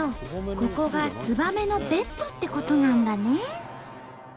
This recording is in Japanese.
ここがツバメのベッドってことなんだね。